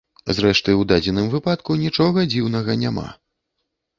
Зрэшты, у дадзеным выпадку нічога дзіўнага няма.